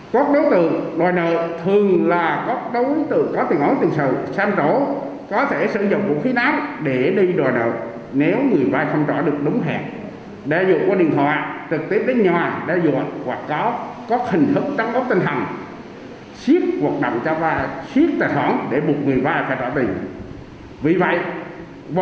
các đối tượng loài nợ thường là các đối tượng có tiền ổn tiền sợ sang rổ